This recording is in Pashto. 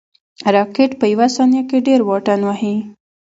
راکټ په یو ثانیه کې ډېر واټن وهي